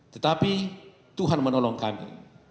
tetapi tuhan menolong kami